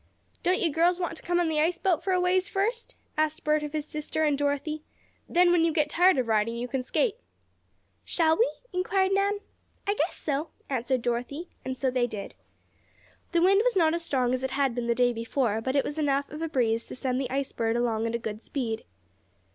"Don't you girls want to come on the ice boat for a ways first?" asked Bert of his sister and Dorothy. "Then, when you get tired of riding, you can skate." "Shall we?" inquired Nan. "I guess so," answered Dorothy, and so they did. The wind was not as strong as it had been the day before, but it was enough of a breeze to send the Ice Bird along at a good speed.